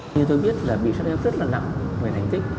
như tôi biết là bị sát đeo rất là nặng về thành tích